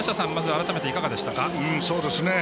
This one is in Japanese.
改めて、いかがでしたか？